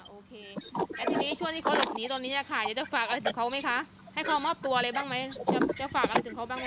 โอเคแล้วทีนี้ช่วงที่เขาหลบหนีตอนนี้ค่ะอยากจะฝากอะไรถึงเขาไหมคะให้เขามอบตัวอะไรบ้างไหมจะฝากอะไรถึงเขาบ้างไหม